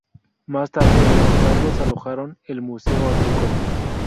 Más tarde los establos alojaron el Museo Agrícola.